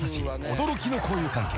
驚きの交友関係］